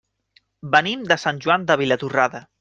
Venim de Sant Joan de Vilatorrada.